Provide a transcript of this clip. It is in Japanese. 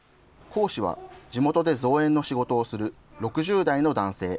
講師は地元で造園の仕事をする６０代の男性。